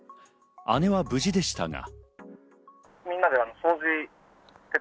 姉は無事でしたが。